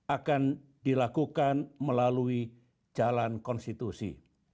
akan dilakukan melalui jalan konstitusi